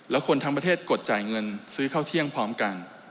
แล้วคนทั้งประเทศกดจ่ายเงินซื้อข้าวเที่ยงพร้อมกัน